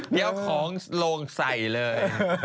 เดี๋ยวของโลงใส่เลย